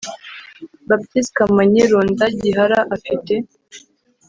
Baptiste Kamonyi Runda Gihara Afite